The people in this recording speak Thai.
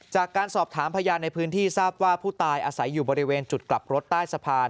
จากการสอบถามพยานในพื้นที่ทราบว่าผู้ตายอาศัยอยู่บริเวณจุดกลับรถใต้สะพาน